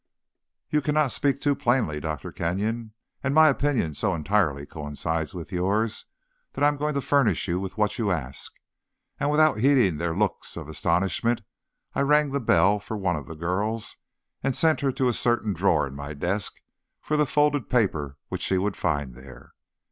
"You cannot speak too plainly, Doctor Kenyon; and my opinion so entirely coincides with yours that I am going to furnish you with what you ask." And without heeding their looks of astonishment, I rang the bell for one of the girls, and sent her to a certain drawer in my desk for the folded paper which she would find there.